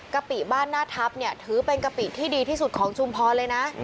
กปิบ้านหน้าทัพเนี่ยถือเป็นกะปิที่ดีที่สุดของชุมพรเลยนะ